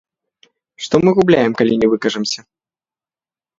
Што мы губляем, калі не выкажамся?